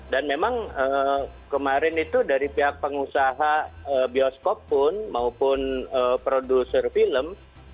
dan memang kemarin itu dari pihak pengusaha bioskop pun maupun produser film